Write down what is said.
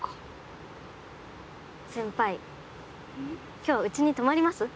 今日うちに泊まります？